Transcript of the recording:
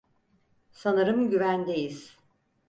Sanırım güvendeyiz.